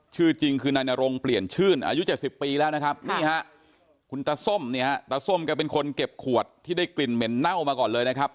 ชื่อจริงคือนายนรงเปลี่ยนชื่นอายุ๗๐ปีแล้วนะครับนี่ฮะคุณตาส้มเนี่ยฮะตาส้มแกเป็นคนเก็บขวดที่ได้กลิ่นเหม็นเน่ามาก่อนเลยนะครับ